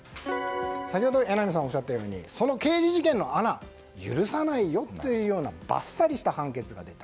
先ほど榎並さんがおっしゃったようにその刑事事件の穴許さないよというバッサリした判決が出た。